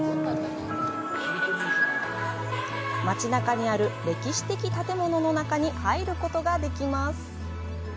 街なかにある歴史的建物の中に入ることができます。